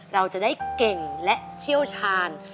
เราจะได้เก่งและเชี่ยวชาญ